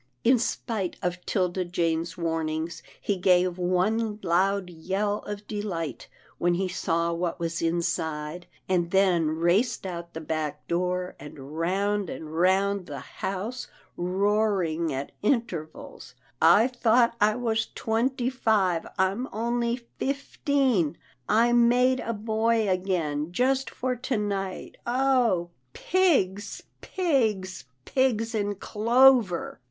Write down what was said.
In spite of 'Tilda Jane's warnings, he gave one loud yell of delight, when he saw what was inside, and then raced out the back door and round and round the house, roaring at intervals, " I thought I was twenty five — I'm only fifteen — I'm made a 218 'TILDA JANE'S ORPHANS boy again just for to night. Oh! Pigs! Pigs! Pigs in clover